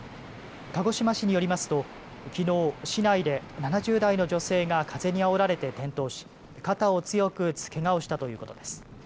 鹿児島市によりますときのう市内で７０代の女性が風にあおられて転倒し肩を強く打つけがをしたということです。